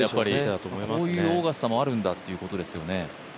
こういうオーガスタもあるんだということですよね。